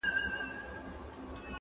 ګرفتاره په منګول د کورونا سو!.